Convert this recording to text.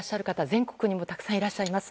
全国にもたくさんいらっしゃいます。